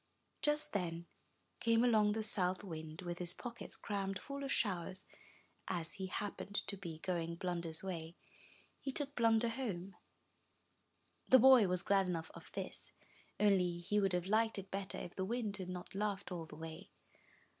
Just then came along the South Wind, with his pockets crammed full of showers, and, as he happened 320 UP ONE PAIR OF STAIRS to be going Blunder's way, he took Blunder home. The boy was glad enough of this, only he would have liked it better if the Wind had not laughed all the way.